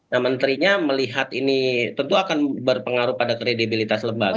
nah menterinya melihat ini tentu akan berpengaruh pada kredibilitas lembaga